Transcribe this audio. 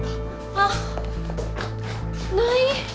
あっない。